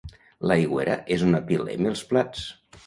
L'aigüera és on apilem els plats.